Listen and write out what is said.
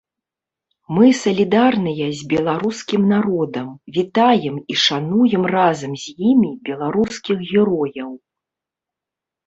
Мы салідарныя з беларускім народам, вітаем і шануем разам з імі беларускіх герояў.